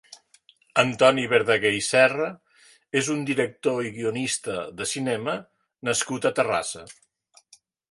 Antoni Verdaguer i Serra és un director i guionista de cinema nascut a Terrassa.